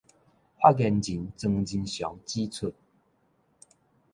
發言人莊人祥指出